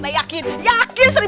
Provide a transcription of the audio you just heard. enggak mungkin kali ya pak nurul